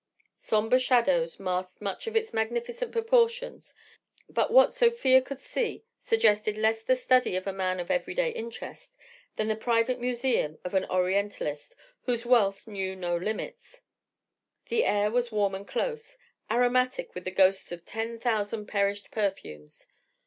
Sombre shadows masked much of its magnificent proportions, but what Sofia could see suggested less the study of a man of everyday interests than the private museum of an Orientalist whose wealth knew no limits. The air was warm and close, aromatic with the ghosts of ten thousand perished perfumes.